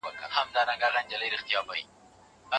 ولي اوږده ډوډۍ ماڼۍ ته یوړل سوه؟